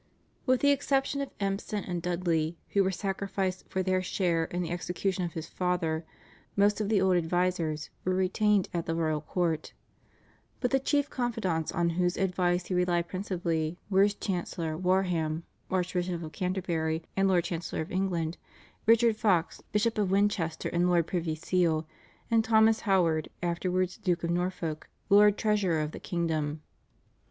With the exception of Empson and Dudley, who were sacrificed for their share in the execution of his father, most of the old advisers were retained at the royal court; but the chief confidants on whose advice he relied principally were his Chancellor Warham, Archbishop of Canterbury and Lord Chancellor of England, Richard Fox, Bishop of Winchester and Lord Privy Seal, and Thomas Howard, afterwards Duke of Norfolk, Lord Treasurer of the kingdom.